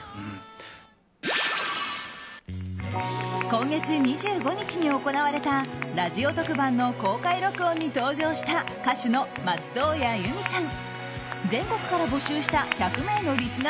今月２５日に行われたラジオ特番の公開録音に登場した歌手の松任谷由実さん。